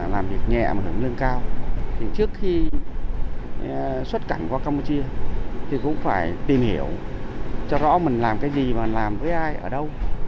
làm việc nhẹ mà hưởng lương cao thì trước khi xuất cảnh qua campuchia thì cũng phải tìm hiểu cho rõ mình làm cái gì và làm với ai ở đâu